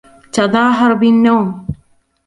تظاهر بالنوم.